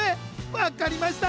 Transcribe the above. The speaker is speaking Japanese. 分かりました！